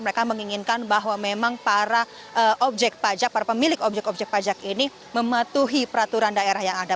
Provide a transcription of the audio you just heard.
mereka menginginkan bahwa memang para objek pajak para pemilik objek objek pajak ini mematuhi peraturan daerah yang ada